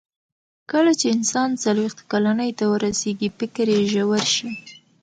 کله چې انسان څلوېښت کلنۍ ته ورسیږي، فکر یې ژور شي.